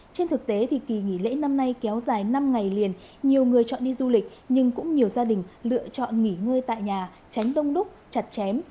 trên thực tế thì kỳ nghỉ lễ năm nay kéo dài năm ngày liền nhiều người chọn đi du lịch nhưng cũng nhiều gia đình lựa chọn nghỉ ngơi tại nhà tránh đông đúc chặt chém